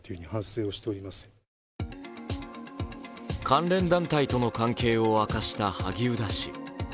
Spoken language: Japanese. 関連団体との関係を明かした萩生田氏。